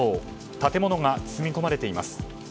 建物が包み込まれています。